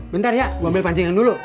bentar ya gue ambil pancingan dulu